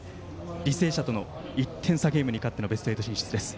履正社との１点差ゲームに勝ってのベスト８進出です。